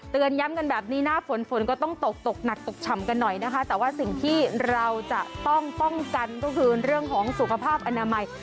ย้ำกันแบบนี้นะฝนฝนก็ต้องตกตกหนักตกฉ่ำกันหน่อยนะคะแต่ว่าสิ่งที่เราจะต้องป้องกันก็คือเรื่องของสุขภาพอนามัย